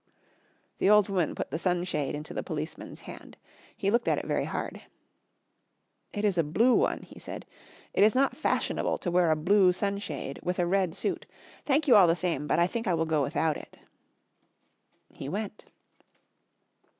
The old woman put the sunshade into the policeman's hand. He looked at it very hard. "It is a blue one," he said. "It is not fashionable to wear a blue sunshade with a red suit. Thank you all the same, but I think I will go without it." He went.